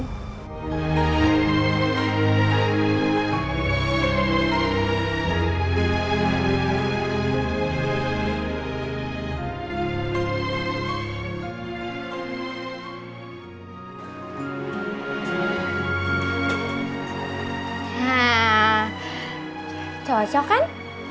nah cocok kan